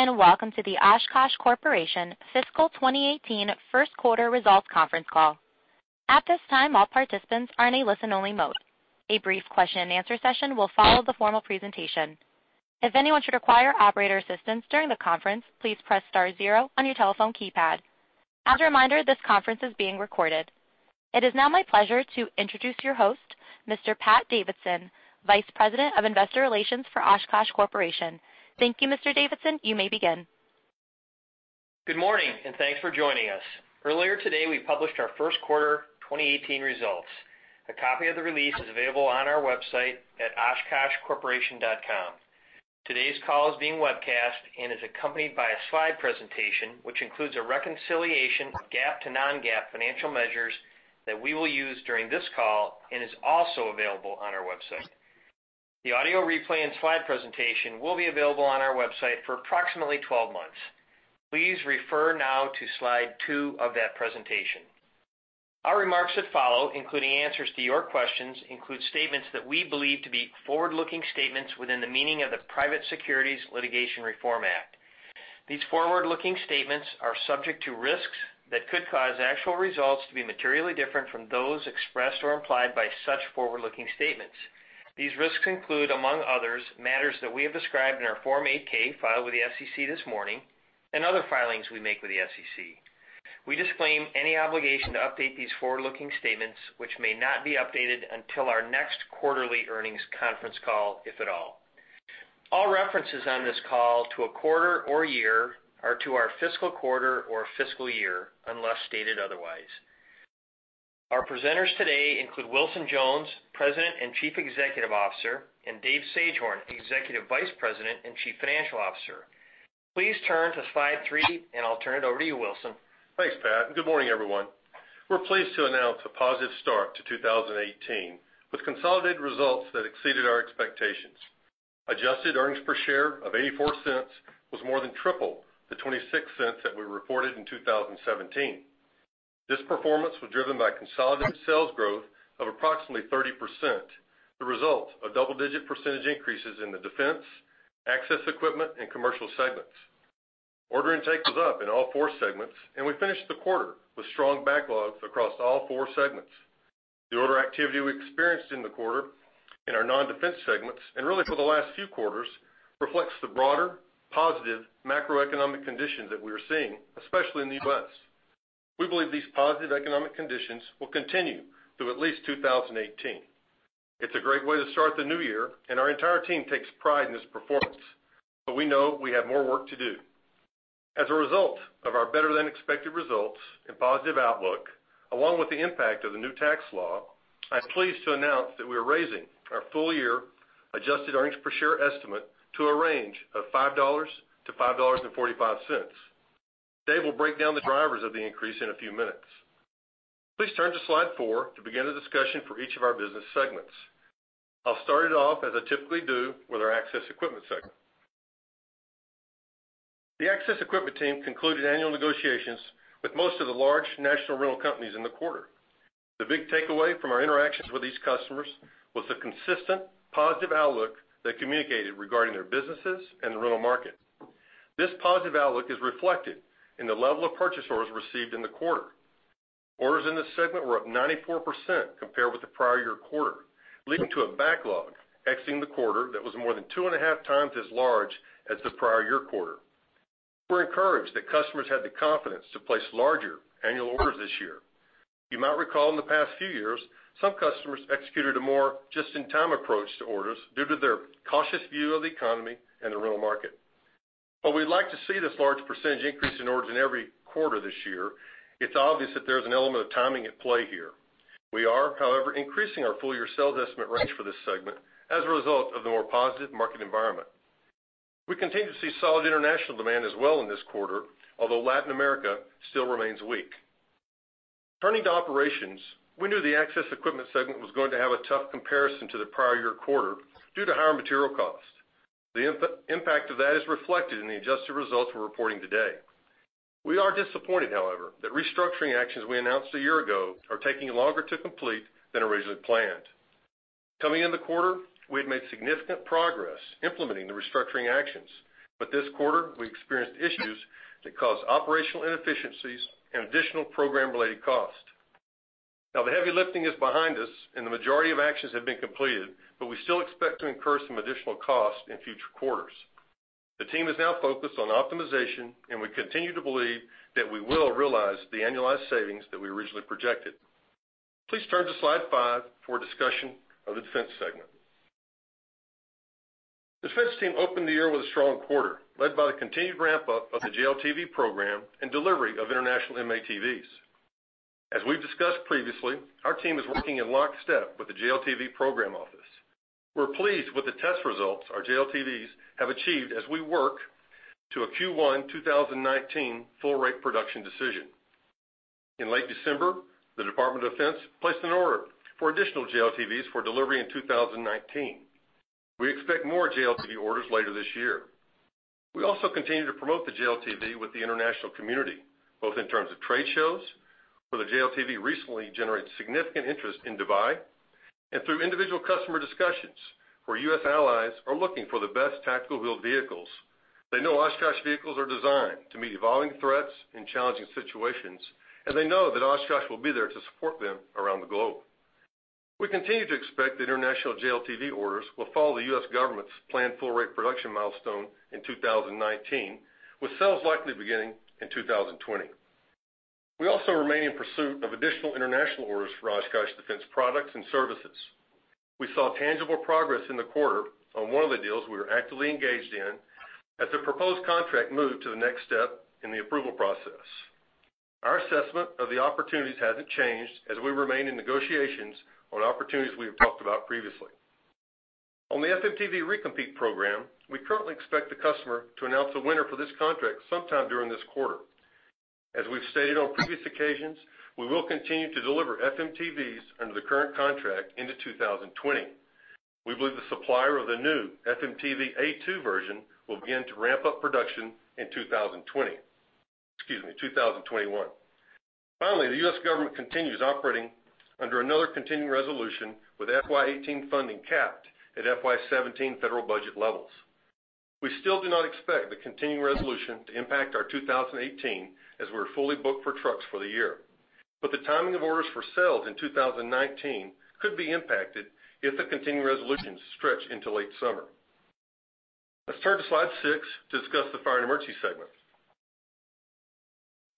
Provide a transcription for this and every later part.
Greetings and welcome to the Oshkosh Corporation Fiscal 2018 First Quarter Results Conference Call. At this time, all participants are in a listen-only mode. A brief question-and-answer session will follow the formal presentation. If anyone should require operator assistance during the conference, please press star zero on your telephone keypad. As a reminder, this conference is being recorded. It is now my pleasure to introduce your host, Mr. Patrick Davidson, Vice President of Investor Relations for Oshkosh Corporation. Thank you, Mr. Davidson. You may begin. Good morning and thanks for joining us. Earlier today, we published our first quarter 2018 results. A copy of the release is available on our website at OshkoshCorporation.com. Today's call is being webcast and is accompanied by a slide presentation which includes a reconciliation of GAAP to non-GAAP financial measures that we will use during this call and is also available on our website. The audio replay and slide presentation will be available on our website for approximately 12 months. Please refer now to slide 2 of that presentation. Our remarks that follow, including answers to your questions, include statements that we believe to be forward-looking statements within the meaning of the Private Securities Litigation Reform Act. These forward-looking statements are subject to risks that could cause actual results to be materially different from those expressed or implied by such forward-looking statements. These risks include, among others, matters that we have described in our Form 8-K filed with the SEC this morning and other filings we make with the SEC. We disclaim any obligation to update these forward-looking statements, which may not be updated until our next quarterly earnings conference call, if at all. All references on this call to a quarter or year are to our fiscal quarter or fiscal year unless stated otherwise. Our presenters today include Wilson Jones, President and Chief Executive Officer, and David Sagehorn, Executive Vice President and Chief Financial Officer. Please turn to slide three, and I'll turn it over to you, Wilson. Thanks, Pat. Good morning, everyone. We're pleased to announce a positive start to 2018 with consolidated results that exceeded our expectations. Adjusted earnings per share of $0.84 was more than triple the $0.26 that we reported in 2017. This performance was driven by consolidated sales growth of approximately 30%, the result of double-digit percentage increases in the defense, access equipment, and commercial segments. Order intake was up in all four segments, and we finished the quarter with strong backlogs across all four segments. The order activity we experienced in the quarter in our non-defense segments, and really for the last few quarters, reflects the broader positive macroeconomic conditions that we are seeing, especially in the U.S. We believe these positive economic conditions will continue through at least 2018. It's a great way to start the new year, and our entire team takes pride in this performance, but we know we have more work to do. As a result of our better-than-expected results and positive outlook, along with the impact of the new tax law, I'm pleased to announce that we are raising our full-year adjusted earnings per share estimate to a range of $5-$5.45. Dave will break down the drivers of the increase in a few minutes. Please turn to slide four to begin the discussion for each of our business segments. I'll start it off, as I typically do, with our access equipment segment. The access equipment team concluded annual negotiations with most of the large national rental companies in the quarter. The big takeaway from our interactions with these customers was the consistent positive outlook they communicated regarding their businesses and the rental market. This positive outlook is reflected in the level of purchase orders received in the quarter. Orders in this segment were up 94% compared with the prior year quarter, leading to a backlog exiting the quarter that was more than two and a half times as large as the prior year quarter. We're encouraged that customers had the confidence to place larger annual orders this year. You might recall in the past few years, some customers executed a more just-in-time approach to orders due to their cautious view of the economy and the rental market. While we'd like to see this large percentage increase in orders in every quarter this year, it's obvious that there's an element of timing at play here. We are, however, increasing our full-year sales estimate range for this segment as a result of the more positive market environment. We continue to see solid international demand as well in this quarter, although Latin America still remains weak. Turning to operations, we knew the access equipment segment was going to have a tough comparison to the prior year quarter due to higher material costs. The impact of that is reflected in the adjusted results we're reporting today. We are disappointed, however, that restructuring actions we announced a year ago are taking longer to complete than originally planned. Coming into the quarter, we had made significant progress implementing the restructuring actions, but this quarter, we experienced issues that caused operational inefficiencies and additional program-related costs. Now, the heavy lifting is behind us, and the majority of actions have been completed, but we still expect to incur some additional costs in future quarters. The team is now focused on optimization, and we continue to believe that we will realize the annualized savings that we originally projected. Please turn to slide five for a discussion of the defense segment. The defense team opened the year with a strong quarter, led by the continued ramp-up of the JLTV program and delivery of international M-ATVs. As we've discussed previously, our team is working in lock step with the JLTV program office. We're pleased with the test results our JLTVs have achieved as we work to a Q1 2019 full-rate production decision. In late December, the Department of Defense placed an order for additional JLTVs for delivery in 2019. We expect more JLTV orders later this year. We also continue to promote the JLTV with the international community, both in terms of trade shows, where the JLTV recently generated significant interest in Dubai, and through individual customer discussions where U.S. allies are looking for the best tactical-built vehicles. They know Oshkosh vehicles are designed to meet evolving threats and challenging situations, and they know that Oshkosh will be there to support them around the globe. We continue to expect that international JLTV orders will follow the U.S. government's planned full-rate production milestone in 2019, with sales likely beginning in 2020. We also remain in pursuit of additional international orders for Oshkosh Defense products and services. We saw tangible progress in the quarter on one of the deals we were actively engaged in as the proposed contract moved to the next step in the approval process. Our assessment of the opportunities hasn't changed as we remain in negotiations on opportunities we have talked about previously. On the FMTV recompete program, we currently expect the customer to announce a winner for this contract sometime during this quarter. As we've stated on previous occasions, we will continue to deliver FMTVs under the current contract into 2020. We believe the supplier of the new FMTV A2 version will begin to ramp up production in 2021. Finally, the U.S. government continues operating under another Continuing Resolution with FY 2018 funding capped at FY 2017 federal budget levels. We still do not expect the Continuing Resolution to impact our 2018 as we're fully booked for trucks for the year, but the timing of orders for sales in 2019 could be impacted if the Continuing Resolutions stretch into late summer. Let's turn to slide 6 to discuss the fire and emergency segment.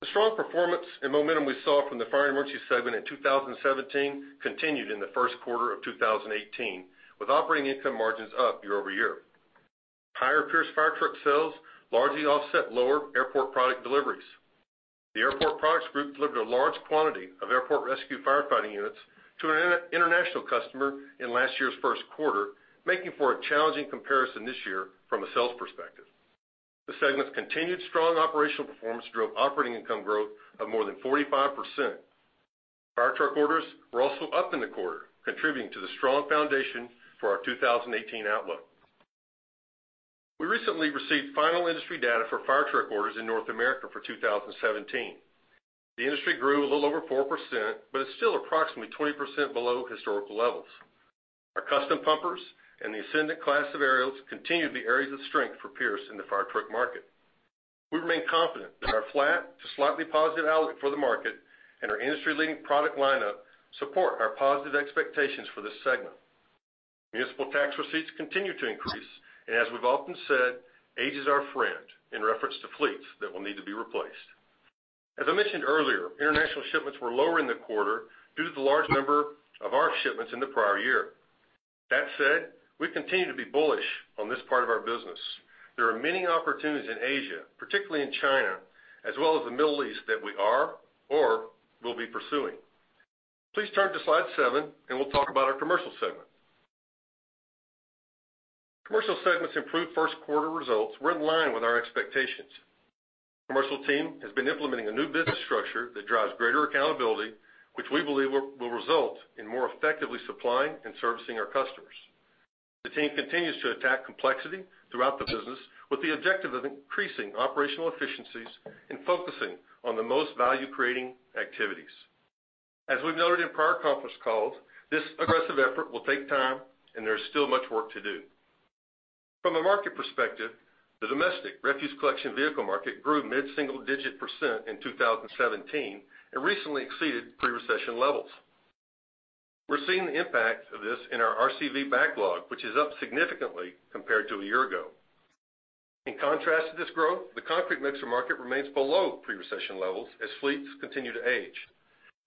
The strong performance and momentum we saw from the fire and emergency segment in 2017 continued in the first quarter of 2018, with operating income margins up year-over-year. Higher Pierce fire truck sales largely offset lower airport product deliveries. The airport products group delivered a large quantity of airport rescue firefighting units to an international customer in last year's first quarter, making for a challenging comparison this year from a sales perspective. The segment's continued strong operational performance drove operating income growth of more than 45%. Fire truck orders were also up in the quarter, contributing to the strong foundation for our 2018 outlook. We recently received final industry data for fire truck orders in North America for 2017. The industry grew a little over 4%, but it's still approximately 20% below historical levels. Our custom pumpers and the Ascendant class of aerials continue to be areas of strength for Pierce in the fire truck market. We remain confident that our flat to slightly positive outlook for the market and our industry-leading product lineup support our positive expectations for this segment. Municipal tax receipts continue to increase, and as we've often said, age is our friend in reference to fleets that will need to be replaced. As I mentioned earlier, international shipments were lower in the quarter due to the large number of our shipments in the prior year. That said, we continue to be bullish on this part of our business. There are many opportunities in Asia, particularly in China, as well as the Middle East that we are or will be pursuing. Please turn to slide seven, and we'll talk about our commercial segment. Commercial segment's improved first quarter results were in line with our expectations. The commercial team has been implementing a new business structure that drives greater accountability, which we believe will result in more effectively supplying and servicing our customers. The team continues to attack complexity throughout the business with the objective of increasing operational efficiencies and focusing on the most value-creating activities. As we've noted in prior conference calls, this aggressive effort will take time, and there's still much work to do. From a market perspective, the domestic refuse collection vehicle market grew mid-single-digit % in 2017 and recently exceeded pre-recession levels. We're seeing the impact of this in our RCV backlog, which is up significantly compared to a year ago. In contrast to this growth, the concrete mixer market remains below pre-recession levels as fleets continue to age.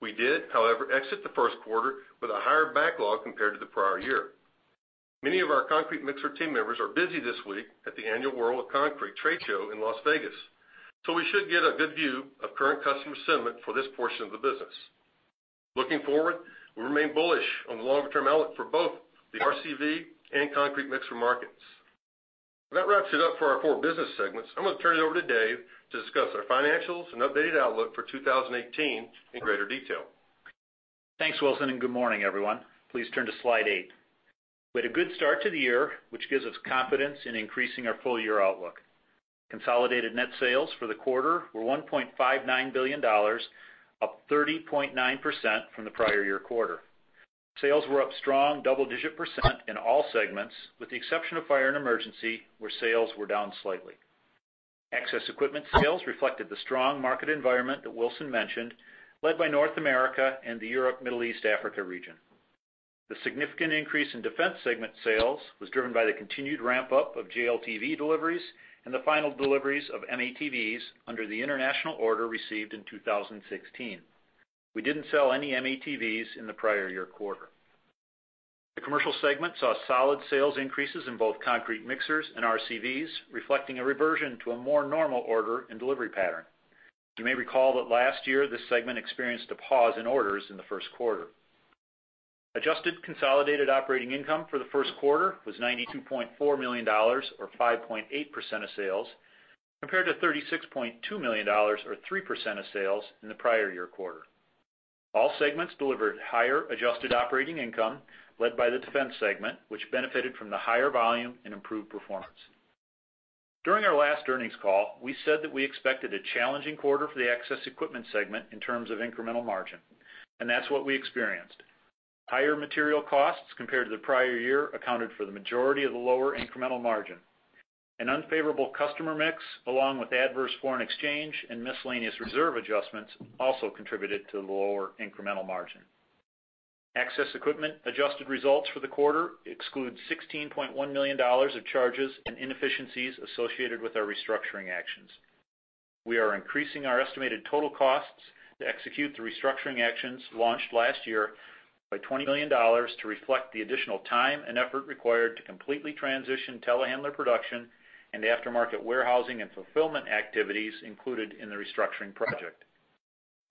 We did, however, exit the first quarter with a higher backlog compared to the prior year. Many of our concrete mixer team members are busy this week at the annual World of Concrete trade show in Las Vegas, so we should get a good view of current customer sentiment for this portion of the business. Looking forward, we remain bullish on the longer-term outlook for both the RCV and concrete mixer markets. That wraps it up for our four business segments. I'm going to turn it over to Dave to discuss our financials and updated outlook for 2018 in greater detail. Thanks, Wilson, and good morning, everyone. Please turn to slide 8. We had a good start to the year, which gives us confidence in increasing our full-year outlook. Consolidated net sales for the quarter were $1.59 billion, up 30.9% from the prior year quarter. Sales were up strong, double-digit % in all segments, with the exception of fire and emergency, where sales were down slightly. Access equipment sales reflected the strong market environment that Wilson mentioned, led by North America and the Europe-Middle East-Africa region. The significant increase in defense segment sales was driven by the continued ramp-up of JLTV deliveries and the final deliveries of M-ATVs under the international order received in 2016. We didn't sell any M-ATVs in the prior year quarter. The commercial segment saw solid sales increases in both concrete mixers and RCVs, reflecting a reversion to a more normal order and delivery pattern. You may recall that last year this segment experienced a pause in orders in the first quarter. Adjusted consolidated operating income for the first quarter was $92.4 million, or 5.8% of sales, compared to $36.2 million, or 3% of sales, in the prior year quarter. All segments delivered higher adjusted operating income, led by the defense segment, which benefited from the higher volume and improved performance. During our last earnings call, we said that we expected a challenging quarter for the access equipment segment in terms of incremental margin, and that's what we experienced. Higher material costs compared to the prior year accounted for the majority of the lower incremental margin. An unfavorable customer mix, along with adverse foreign exchange and miscellaneous reserve adjustments, also contributed to the lower incremental margin. Access equipment adjusted results for the quarter exclude $16.1 million of charges and inefficiencies associated with our restructuring actions. We are increasing our estimated total costs to execute the restructuring actions launched last year by $20 million to reflect the additional time and effort required to completely transition telehandler production and aftermarket warehousing and fulfillment activities included in the restructuring project.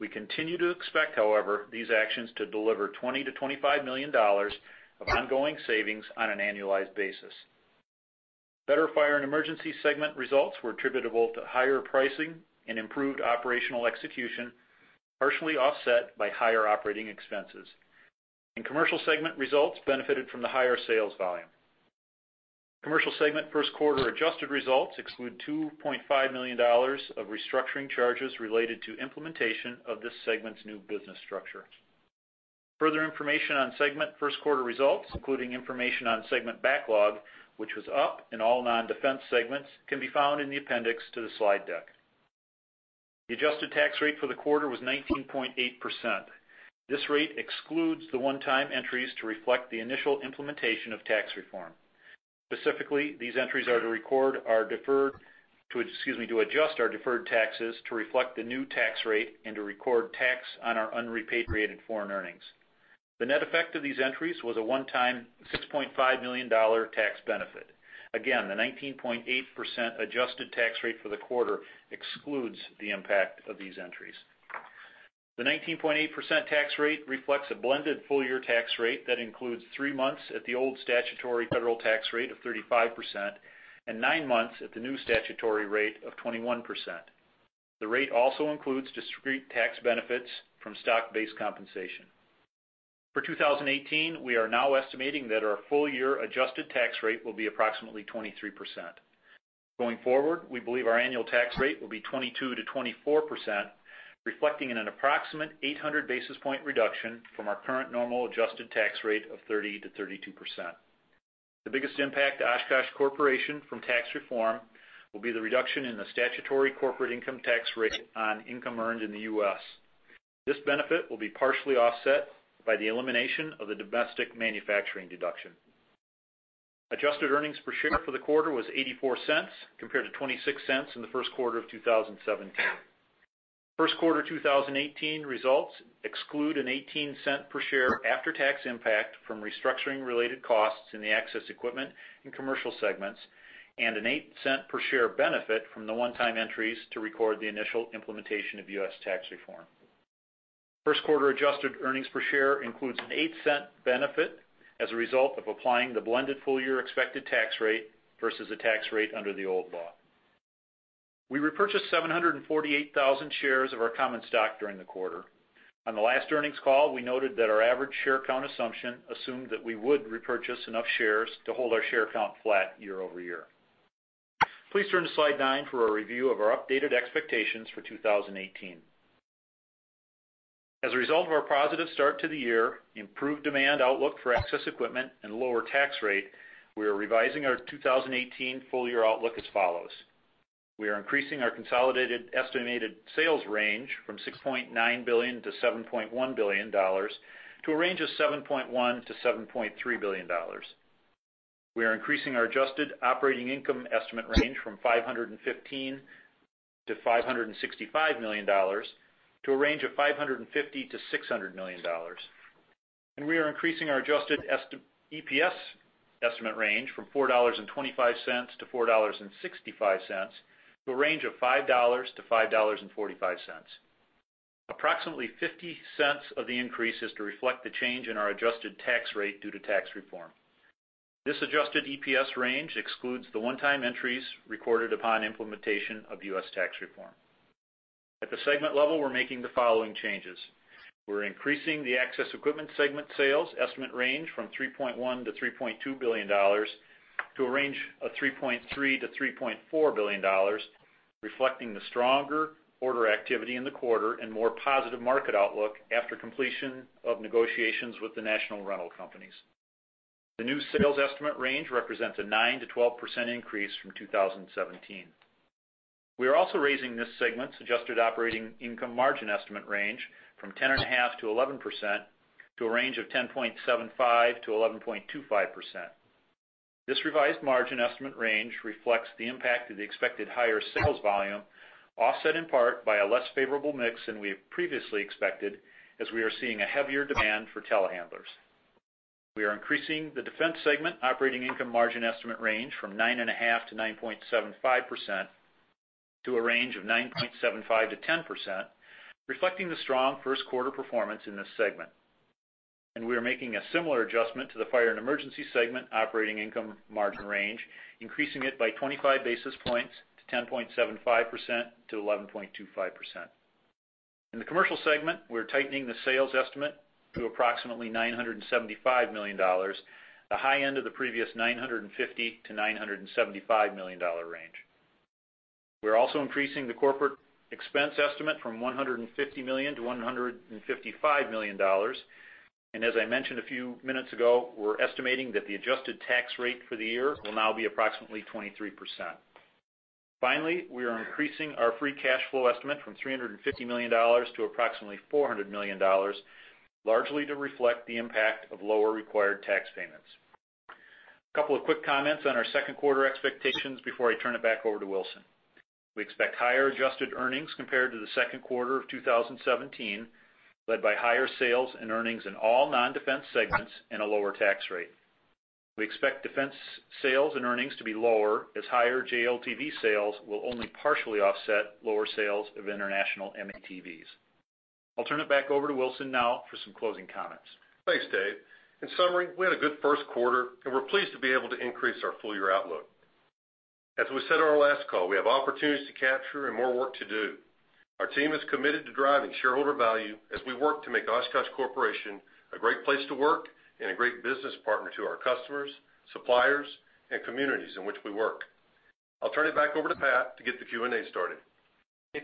We continue to expect, however, these actions to deliver $20 million-$25 million of ongoing savings on an annualized basis. Better fire and emergency segment results were attributable to higher pricing and improved operational execution, partially offset by higher operating expenses. Commercial segment results benefited from the higher sales volume. Commercial segment first quarter adjusted results exclude $2.5 million of restructuring charges related to implementation of this segment's new business structure. Further information on segment first quarter results, including information on segment backlog, which was up in all non-defense segments, can be found in the appendix to the slide deck. The adjusted tax rate for the quarter was 19.8%. This rate excludes the one-time entries to reflect the initial implementation of tax reform. Specifically, these entries are to defer to adjust our deferred taxes to reflect the new tax rate and to record tax on our unrepatriated foreign earnings. The net effect of these entries was a one-time $6.5 million tax benefit. Again, the 19.8% adjusted tax rate for the quarter excludes the impact of these entries. The 19.8% tax rate reflects a blended full-year tax rate that includes three months at the old statutory federal tax rate of 35% and nine months at the new statutory rate of 21%. The rate also includes discrete tax benefits from stock-based compensation. For 2018, we are now estimating that our full-year adjusted tax rate will be approximately 23%. Going forward, we believe our annual tax rate will be 22%-24%, reflecting an approximate 800 basis points reduction from our current normal adjusted tax rate of 30%-32%. The biggest impact Oshkosh Corporation from tax reform will be the reduction in the statutory corporate income tax rate on income earned in the U.S. This benefit will be partially offset by the elimination of the domestic manufacturing deduction. Adjusted earnings per share for the quarter was $0.84 compared to $0.26 in the first quarter of 2017. First quarter 2018 results exclude an $0.18 per share after-tax impact from restructuring-related costs in the access equipment and commercial segments and an $0.08 per share benefit from the one-time entries to record the initial implementation of U.S. tax reform. First-quarter adjusted earnings per share includes a $0.08 benefit as a result of applying the blended full-year expected tax rate versus a tax rate under the old law. We repurchased 748,000 shares of our common stock during the quarter. On the last earnings call, we noted that our average share count assumption assumed that we would repurchase enough shares to hold our share count flat year-over-year. Please turn to slide 9 for a review of our updated expectations for 2018. As a result of our positive start to the year, improved demand outlook for access equipment, and lower tax rate, we are revising our 2018 full-year outlook as follows. We are increasing our consolidated estimated sales range from $6.9 billion-$7.1 billion to a range of $7.1 billion-$7.3 billion. We are increasing our adjusted operating income estimate range from $515 million-$565 million to a range of $550 million-$600 million. We are increasing our adjusted EPS estimate range from $4.25-$4.65 to a range of $5-$5.45. Approximately $0.50 of the increase is to reflect the change in our adjusted tax rate due to tax reform. This adjusted EPS range excludes the one-time entries recorded upon implementation of U.S. tax reform. At the segment level, we're making the following changes. We're increasing the access equipment segment sales estimate range from $3.1 billion-$3.2 billion to a range of $3.3 billion-$3.4 billion, reflecting the stronger order activity in the quarter and more positive market outlook after completion of negotiations with the national rental companies. The new sales estimate range represents a 9%-12% increase from 2017. We are also raising this segment's adjusted operating income margin estimate range from 10.5%-11% to a range of 10.75%-11.25%. This revised margin estimate range reflects the impact of the expected higher sales volume, offset in part by a less favorable mix than we previously expected, as we are seeing a heavier demand for telehandlers. We are increasing the defense segment operating income margin estimate range from 9.5%-9.75% to a range of 9.75%-10%, reflecting the strong first quarter performance in this segment. And we are making a similar adjustment to the fire and emergency segment operating income margin range, increasing it by 25 basis points to 10.75%-11.25%. In the commercial segment, we're tightening the sales estimate to approximately $975 million, the high end of the previous $950-$975 million range. We're also increasing the corporate expense estimate from $150 million to $155 million. As I mentioned a few minutes ago, we're estimating that the adjusted tax rate for the year will now be approximately 23%. Finally, we are increasing our free cash flow estimate from $350 million to approximately $400 million, largely to reflect the impact of lower required tax payments. A couple of quick comments on our second quarter expectations before I turn it back over to Wilson. We expect higher adjusted earnings compared to the second quarter of 2017, led by higher sales and earnings in all non-defense segments and a lower tax rate. We expect defense sales and earnings to be lower as higher JLTV sales will only partially offset lower sales of international M-ATVs. I'll turn it back over to Wilson now for some closing comments. Thanks, Dave. In summary, we had a good first quarter, and we're pleased to be able to increase our full-year outlook. As we said on our last call, we have opportunities to capture and more work to do. Our team is committed to driving shareholder value as we work to make Oshkosh Corporation a great place to work and a great business partner to our customers, suppliers, and communities in which we work. I'll turn it back over to Pat to get the Q&A started.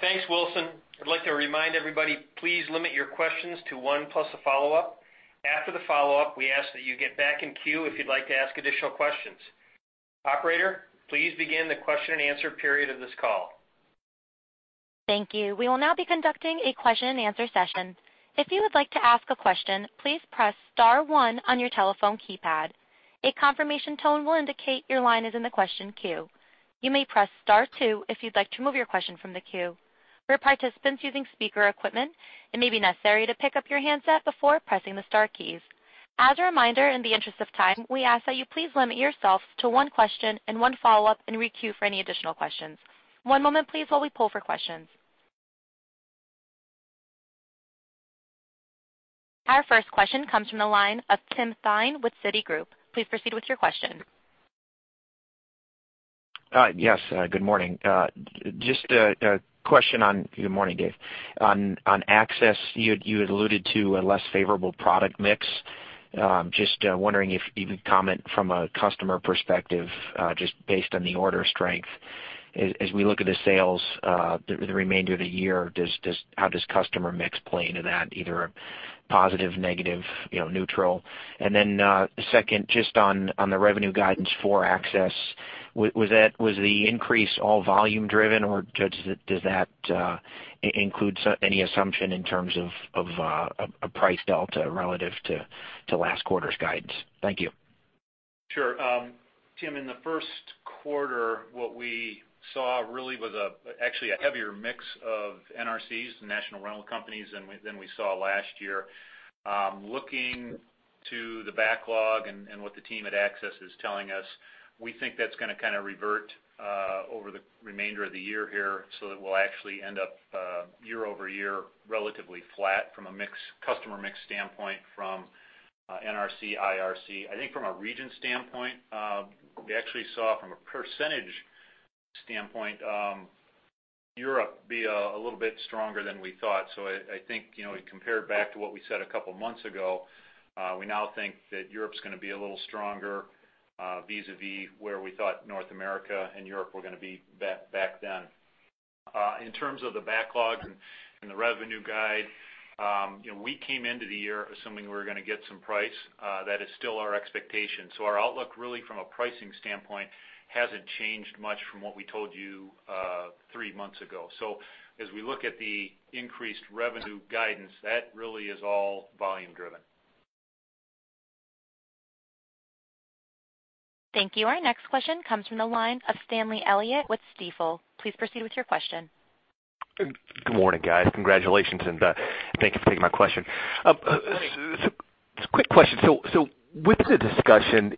Thanks, Wilson. I'd like to remind everybody, please limit your questions to one plus a follow-up. After the follow-up, we ask that you get back in queue if you'd like to ask additional questions. Operator, please begin the question and answer period of this call. Thank you. We will now be conducting a question and answer session. If you would like to ask a question, please press star one on your telephone keypad. A confirmation tone will indicate your line is in the question queue. You may press star two if you'd like to move your question from the queue. For participants using speaker equipment, it may be necessary to pick up your handset before pressing the star keys. As a reminder, in the interest of time, we ask that you please limit yourself to one question and one follow-up and re-queue for any additional questions. One moment, please, while we pull for questions. Our first question comes from the line of Tim Thein with Citigroup. Please proceed with your question. Yes, good morning. Just a question on, good morning, Dave, on access. You had alluded to a less favorable product mix. Just wondering if you could comment from a customer perspective, just based on the order strength. As we look at the sales the remainder of the year, how does customer mix play into that? Either positive, negative, neutral? And then second, just on the revenue guidance for access, was the increase all volume-driven, or does that include any assumption in terms of a price delta relative to last quarter's guidance? Thank you. Sure. Tim, in the first quarter, what we saw really was actually a heavier mix of NRCs, the national rental companies, than we saw last year. Looking to the backlog and what the team at Access is telling us, we think that's going to kind of revert over the remainder of the year here so that we'll actually end up year-over-year relatively flat from a customer mix standpoint from NRC, IRC. I think from a region standpoint, we actually saw from a percentage standpoint, Europe be a little bit stronger than we thought. So I think compared back to what we said a couple of months ago, we now think that Europe's going to be a little stronger vis-à-vis where we thought North America and Europe were going to be back then. In terms of the backlog and the revenue guide, we came into the year assuming we were going to get some price. That is still our expectation. So our outlook really from a pricing standpoint hasn't changed much from what we told you three months ago. So as we look at the increased revenue guidance, that really is all volume-driven. Thank you. Our next question comes from the line of Stanley Elliott with Stifel. Please proceed with your question. Good morning, guys. Congratulations, and thank you for taking my question. Quick question. So with the discussion,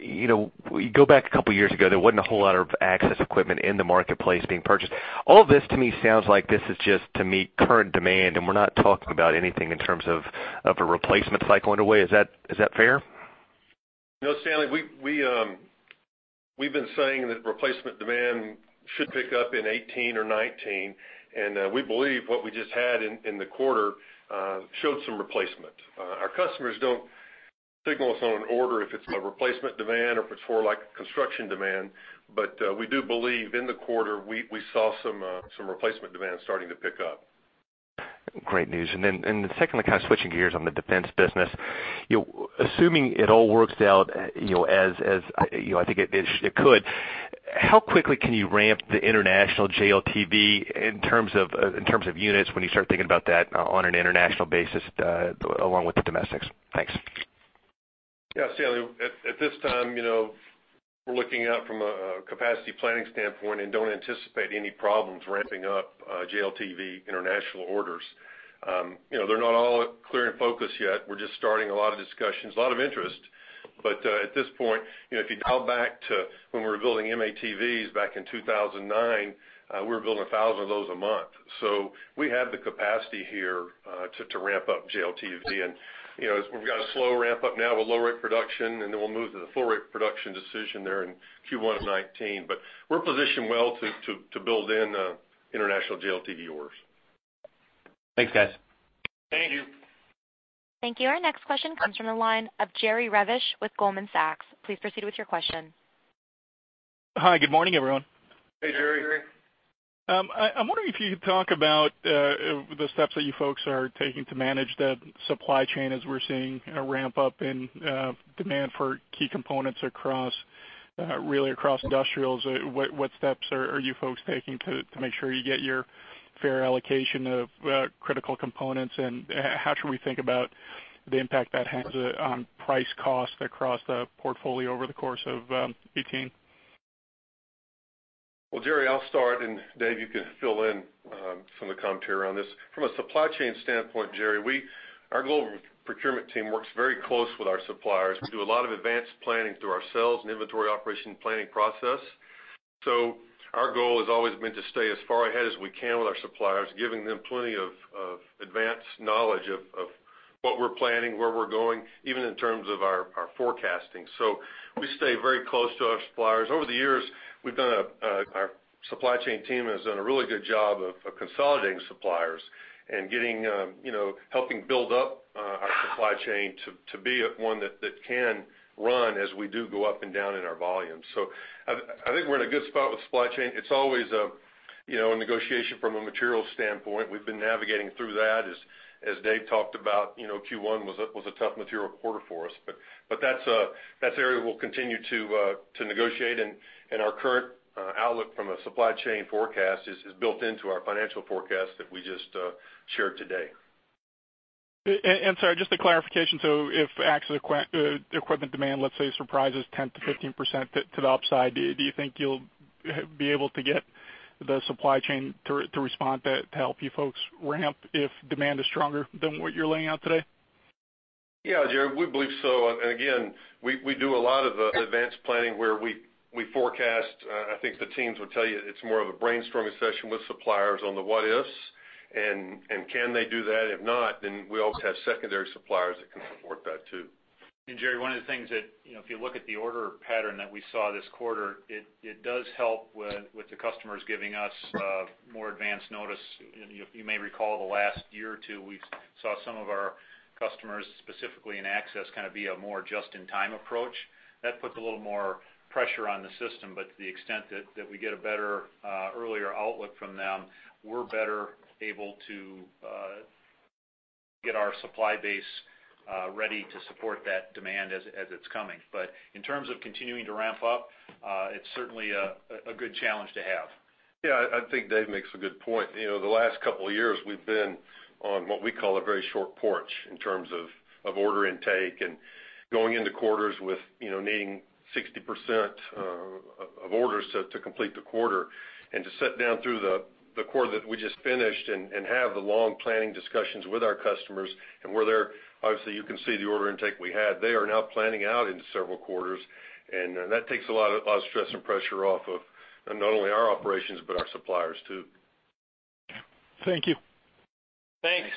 we go back a couple of years ago, there wasn't a whole lot of access equipment in the marketplace being purchased. All of this to me sounds like this is just to meet current demand, and we're not talking about anything in terms of a replacement cycle underway. Is that fair? No, Stanley. We've been saying that replacement demand should pick up in 2018 or 2019, and we believe what we just had in the quarter showed some replacement. Our customers don't signal us on an order if it's a replacement demand or if it's more like construction demand, but we do believe in the quarter we saw some replacement demand starting to pick up. Great news. And then secondly, kind of switching gears on the defense business, assuming it all works out as I think it could, how quickly can you ramp the international JLTV in terms of units when you start thinking about that on an international basis along with the domestics? Thanks. Yeah, Stanley. At this time, we're looking out from a capacity planning standpoint and don't anticipate any problems ramping up JLTV international orders. They're not all clear and focused yet. We're just starting a lot of discussions, a lot of interest. But at this point, if you dial back to when we were building M-ATVs back in 2009, we were building 1,000 of those a month. So we have the capacity here to ramp up JLTV. And we've got a slow ramp up now with low-rate production, and then we'll move to the full-rate production decision there in Q1 of 2019. But we're positioned well to build in international JLTV orders. Thanks, guys. Thank you. Thank you. Our next question comes from the line of Jerry Revich with Goldman Sachs. Please proceed with your question. Hi, good morning, everyone. Hey, Jerry. I'm wondering if you could talk about the steps that you folks are taking to manage the supply chain as we're seeing a ramp up in demand for key components really across industrials. What steps are you folks taking to make sure you get your fair allocation of critical components, and how should we think about the impact that has on price cost across the portfolio over the course of 2018? Well, Jerry, I'll start, and Dave, you can fill in some of the commentary around this. From a supply chain standpoint, Jerry, our global procurement team works very close with our suppliers. We do a lot of advanced planning through ourselves and inventory operation planning process. So our goal has always been to stay as far ahead as we can with our suppliers, giving them plenty of advanced knowledge of what we're planning, where we're going, even in terms of our forecasting. So we stay very close to our suppliers. Over the years, our supply chain team has done a really good job of consolidating suppliers and helping build up our supply chain to be one that can run as we do go up and down in our volumes. So I think we're in a good spot with supply chain. It's always a negotiation from a materials standpoint. We've been navigating through that. As Dave talked about, Q1 was a tough material quarter for us. But that's an area we'll continue to negotiate, and our current outlook from a supply chain forecast is built into our financial forecast that we just shared today. Sorry, just a clarification. If access equipment demand, let's say, surprises 10%-15% to the upside, do you think you'll be able to get the supply chain to respond to help you folks ramp if demand is stronger than what you're laying out today? Yeah, Jerry, we believe so. And again, we do a lot of advanced planning where we forecast. I think the teams will tell you it's more of a brainstorming session with suppliers on the what-ifs. And can they do that? If not, then we also have secondary suppliers that can support that too. Jerry, one of the things that if you look at the order pattern that we saw this quarter, it does help with the customers giving us more advanced notice. You may recall the last year or two, we saw some of our customers, specifically in access, kind of be a more just-in-time approach. That puts a little more pressure on the system. But to the extent that we get a better earlier outlook from them, we're better able to get our supply base ready to support that demand as it's coming. But in terms of continuing to ramp up, it's certainly a good challenge to have. Yeah, I think Dave makes a good point. The last couple of years, we've been on what we call a very short leash in terms of order intake and going into quarters with needing 60% of orders to complete the quarter. And to sit down through the quarter that we just finished and have the long planning discussions with our customers and where they're obviously, you can see the order intake we had. They are now planning out into several quarters, and that takes a lot of stress and pressure off of not only our operations but our suppliers too. Thank you. Thanks.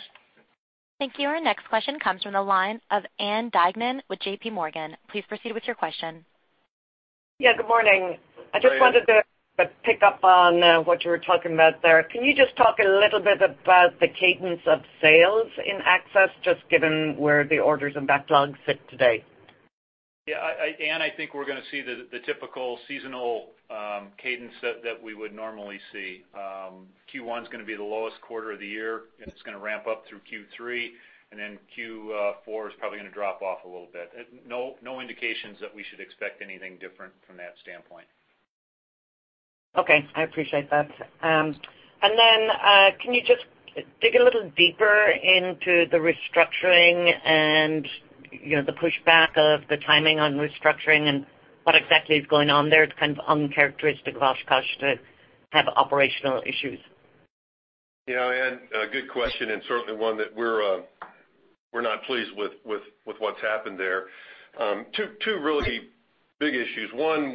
Thank you. Our next question comes from the line of Ann Duignan with J.P. Morgan. Please proceed with your question. Yeah, good morning. I just wanted to pick up on what you were talking about there. Can you just talk a little bit about the cadence of sales in access, just given where the orders and backlogs sit today? Yeah, Anne, I think we're going to see the typical seasonal cadence that we would normally see. Q1 is going to be the lowest quarter of the year, and it's going to ramp up through Q3, and then Q4 is probably going to drop off a little bit. No indications that we should expect anything different from that standpoint. Okay. I appreciate that. Can you just dig a little deeper into the restructuring and the pushback of the timing on restructuring and what exactly is going on there? It's kind of uncharacteristic of Oshkosh to have operational issues. Yeah, Anne, good question, and certainly one that we're not pleased with what's happened there. Two really big issues. One,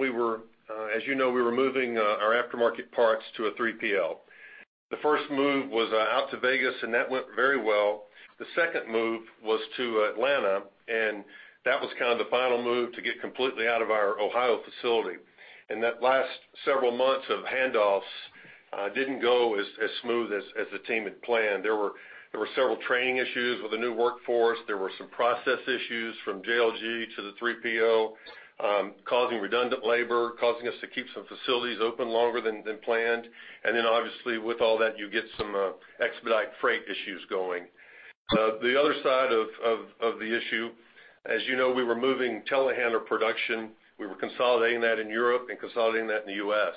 as you know, we were moving our aftermarket parts to a 3PL. The first move was out to Vegas, and that went very well. The second move was to Atlanta, and that was kind of the final move to get completely out of our Ohio facility. And that last several months of handoffs didn't go as smooth as the team had planned. There were several training issues with the new workforce. There were some process issues from JLG to the 3PL, causing redundant labor, causing us to keep some facilities open longer than planned. And then obviously, with all that, you get some expedite freight issues going. The other side of the issue, as you know, we were moving telehandler production. We were consolidating that in Europe and consolidating that in the U.S.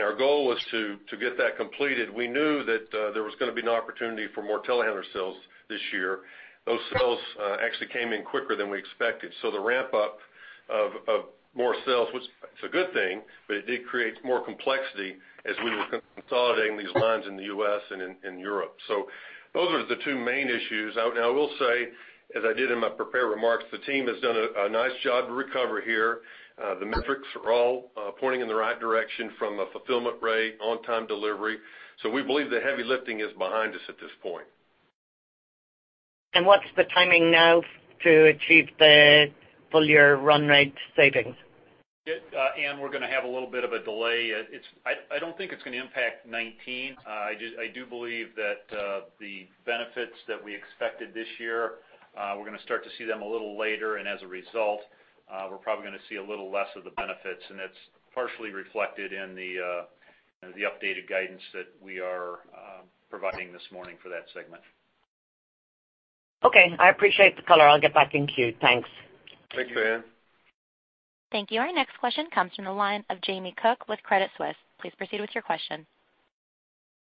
Our goal was to get that completed. We knew that there was going to be an opportunity for more telehandler sales this year. Those sales actually came in quicker than we expected. The ramp up of more sales, which is a good thing, but it did create more complexity as we were consolidating these lines in the U.S. and in Europe. Those are the two main issues. Now, I will say, as I did in my prepared remarks, the team has done a nice job to recover here. The metrics are all pointing in the right direction from a fulfillment rate, on-time delivery. We believe the heavy lifting is behind us at this point. What's the timing now to achieve the full-year run rate savings? Ann, we're going to have a little bit of a delay. I don't think it's going to impact 2019. I do believe that the benefits that we expected this year, we're going to start to see them a little later. As a result, we're probably going to see a little less of the benefits, and that's partially reflected in the updated guidance that we are providing this morning for that segment. Okay. I appreciate the color. I'll get back in queue. Thanks. Thanks, Anne. Thank you. Our next question comes from the line of Jamie Cook with Credit Suisse. Please proceed with your question.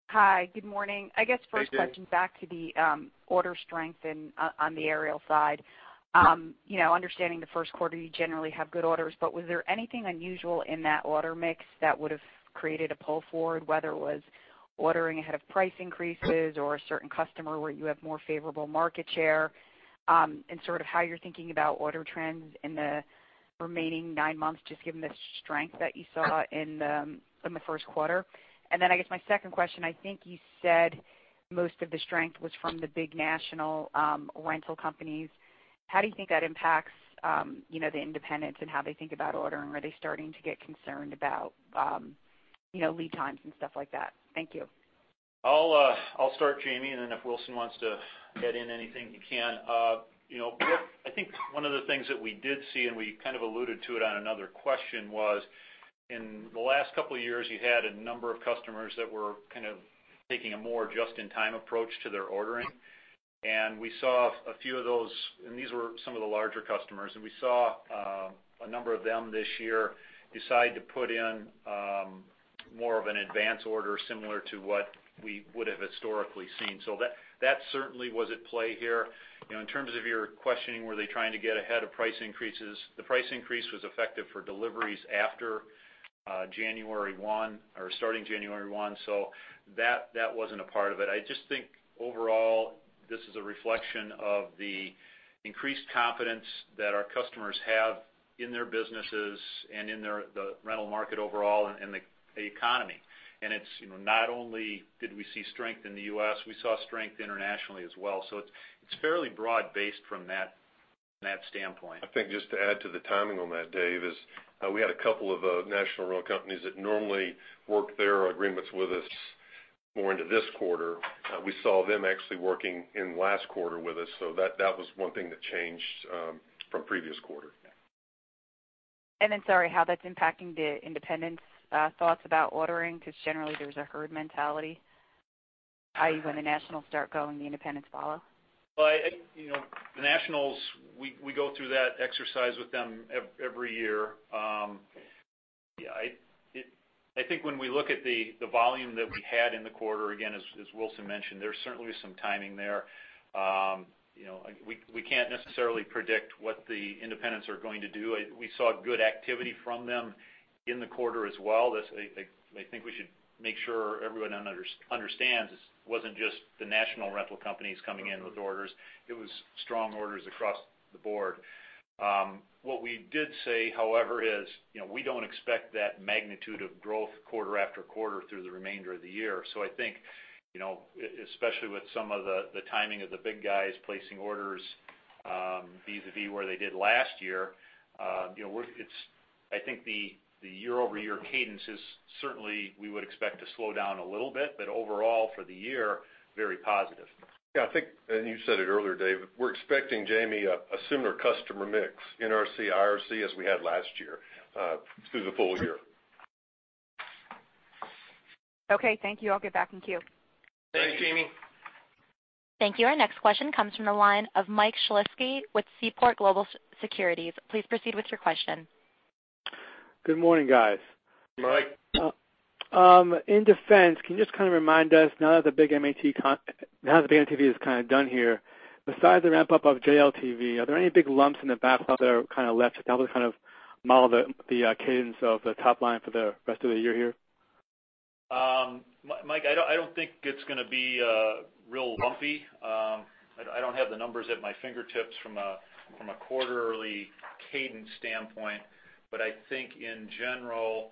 Hi, good morning. I guess first question back to the order strength on the aerial side. Understanding the first quarter, you generally have good orders, but was there anything unusual in that order mix that would have created a pull forward, whether it was ordering ahead of price increases or a certain customer where you have more favorable market share and sort of how you're thinking about order trends in the remaining nine months, just given the strength that you saw in the first quarter? And then I guess my second question, I think you said most of the strength was from the big national rental companies. How do you think that impacts the independents and how they think about ordering? Are they starting to get concerned about lead times and stuff like that? Thank you. I'll start, Jamie, and then if Wilson wants to add in anything, he can. I think one of the things that we did see, and we kind of alluded to it on another question, was in the last couple of years, you had a number of customers that were kind of taking a more just-in-time approach to their ordering. And we saw a few of those, and these were some of the larger customers. And we saw a number of them this year decide to put in more of an advance order similar to what we would have historically seen. So that certainly was at play here. In terms of your questioning, were they trying to get ahead of price increases? The price increase was effective for deliveries after January 1 or starting January 1, so that wasn't a part of it. I just think overall, this is a reflection of the increased confidence that our customers have in their businesses and in the rental market overall and the economy. It's not only did we see strength in the U.S., we saw strength internationally as well. It's fairly broad-based from that standpoint. I think just to add to the timing on that, Dave, is we had a couple of national rental companies that normally work their agreements with us more into this quarter. We saw them actually working in the last quarter with us, so that was one thing that changed from previous quarter. And then sorry, how that's impacting the independents' thoughts about ordering? Because generally, there's a herd mentality, i.e., when the nationals start going, the independents follow. Well, the nationals, we go through that exercise with them every year. Yeah, I think when we look at the volume that we had in the quarter, again, as Wilson mentioned, there certainly was some timing there. We can't necessarily predict what the independents are going to do. We saw good activity from them in the quarter as well. I think we should make sure everyone understands it wasn't just the national rental companies coming in with orders. It was strong orders across the board. What we did say, however, is we don't expect that magnitude of growth quarter after quarter through the remainder of the year. So I think, especially with some of the timing of the big guys placing orders vis-à-vis where they did last year, I think the year-over-year cadence is certainly we would expect to slow down a little bit, but overall for the year, very positive. Yeah, I think, and you said it earlier, Dave, we're expecting, Jamie, a similar customer mix, NRC, IRC, as we had last year through the full year. Okay. Thank you. I'll get back in queue. Thanks, Jamie. Thank you. Our next question comes from the line of Michael Shlisky with Seaport Global Securities. Please proceed with your question. Good morning, guys. Good morning, Mike. In defense, can you just kind of remind us now that the big M-ATV is kind of done here, besides the ramp-up of JLTV, are there any big lumps in the backlog that are kind of left to kind of model the cadence of the top line for the rest of the year here? Mike, I don't think it's going to be real lumpy. I don't have the numbers at my fingertips from a quarterly cadence standpoint, but I think in general,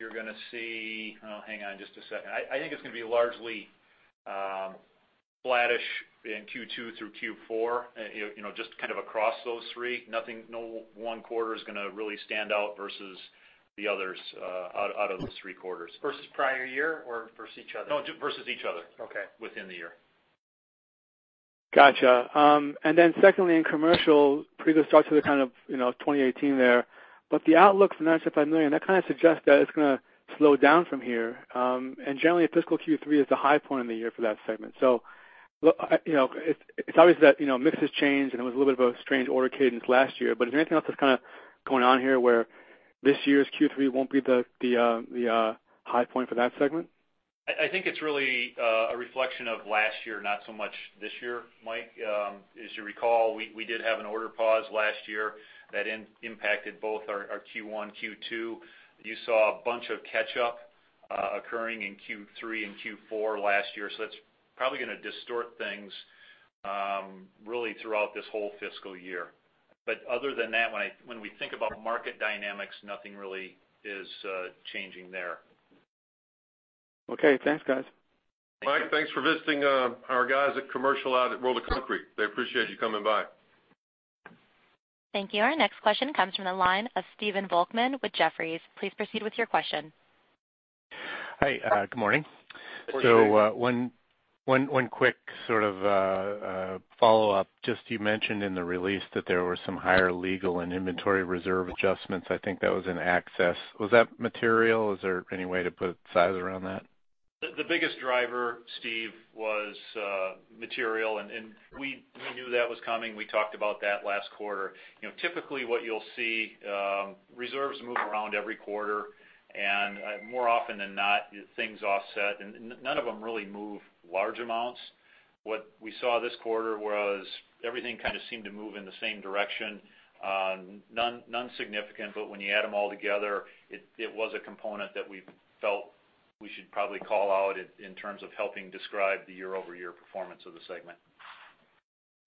you're going to see. Oh, hang on just a second. I think it's going to be largely flattish in Q2 through Q4, just kind of across those three. No one quarter is going to really stand out versus the others out of those three quarters. Versus prior year or versus each other? No, just versus each other within the year. Gotcha. And then secondly, in commercial, pretty good start to the kind of 2018 there. But the outlook for $975 million, that kind of suggests that it's going to slow down from here. And generally, fiscal Q3 is the high point of the year for that segment. So it's obvious that mixes changed, and it was a little bit of a strange order cadence last year. But is there anything else that's kind of going on here where this year's Q3 won't be the high point for that segment? I think it's really a reflection of last year, not so much this year, Mike. As you recall, we did have an order pause last year that impacted both our Q1, Q2. You saw a bunch of catch-up occurring in Q3 and Q4 last year. So that's probably going to distort things really throughout this whole fiscal year. But other than that, when we think about market dynamics, nothing really is changing there. Okay. Thanks, guys. Mike, thanks for visiting our guys at Commercial out at World of Concrete. They appreciate you coming by. Thank you. Our next question comes from the line of Stephen Volkmann with Jefferies. Please proceed with your question. Hi. Good morning. So one quick sort of follow-up. Just you mentioned in the release that there were some higher legal and inventory reserve adjustments. I think that was in access. Was that material? Is there any way to put size around that? The biggest driver, Steve, was material, and we knew that was coming. We talked about that last quarter. Typically, what you'll see, reserves move around every quarter, and more often than not, things offset. None of them really move large amounts. What we saw this quarter was everything kind of seemed to move in the same direction. None significant, but when you add them all together, it was a component that we felt we should probably call out in terms of helping describe the year-over-year performance of the segment.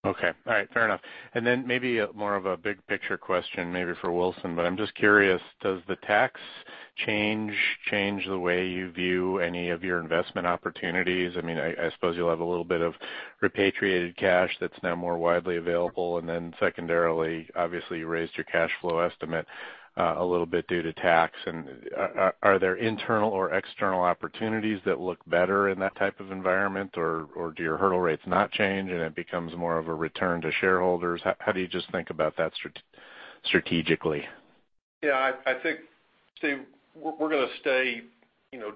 Okay. All right. Fair enough. And then maybe more of a big-picture question, maybe for Wilson, but I'm just curious, does the tax change change the way you view any of your investment opportunities? I mean, I suppose you'll have a little bit of repatriated cash that's now more widely available. And then secondarily, obviously, you raised your cash flow estimate a little bit due to tax. And are there internal or external opportunities that look better in that type of environment, or do your hurdle rates not change and it becomes more of a return to shareholders? How do you just think about that strategically? Yeah. I think, Steve, we're going to stay